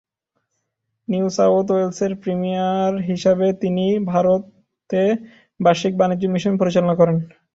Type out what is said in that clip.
New South ওয়েলসের premier হিসেবে তিনি ভারতে বার্ষিক বাণিজ্য মিশন পরিচালনা করেন।